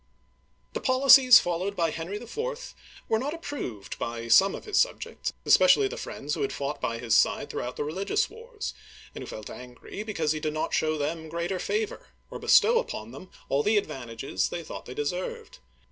THE policies followed by Henry IV. were not approved by some of his subjects, especially the friends who had fought by his side throughout the religious wars, and who felt angry because he did not show them greater favor, or bestow upon them all the advantages they thought they deserved.